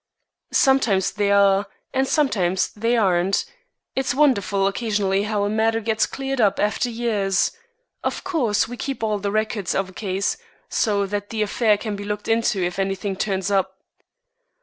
"Sometimes they are, and sometimes they aren't. It's wonderful occasionally how a matter gets cleared up after years. Of course we keep all the records of a case, so that the affair can be looked into if anything turns up."